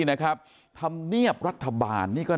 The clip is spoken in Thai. ไงดู